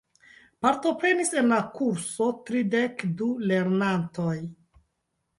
Partoprenis en la kurso tridek du lernantoj.